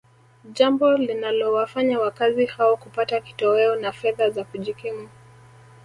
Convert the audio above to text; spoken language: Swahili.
jambo linalowafanya wakazi hao kupata kitoweo na fedha za kujikimu